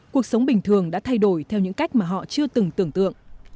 cuộc sống bình thường đã thay đổi theo những cách mà họ chưa từng tưởng tượng